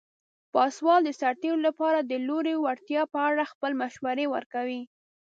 پاسوال د سرتیرو لپاره د لوړې وړتیا په اړه خپل مشورې ورکوي.